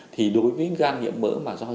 thì đối với gan nhiễm mỡ mà do rượu bia